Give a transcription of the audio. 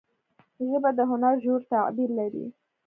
ژبه د هنر ژور تعبیر لري